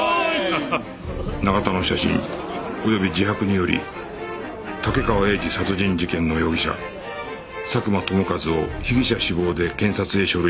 永田の写真及び自白により竹川栄二殺人事件の容疑者佐久間友和を被疑者死亡で検察へ書類送検